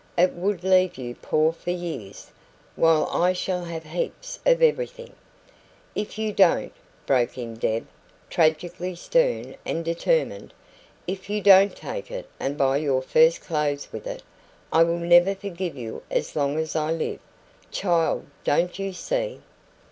It would leave you poor for years, while I shall have heaps of everything " "If you don't," broke in Deb, tragically stern and determined "if you don't take it and buy your first clothes with it, I will never forgive you as long as I live. Child, don't you see